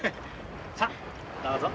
さあどうぞ。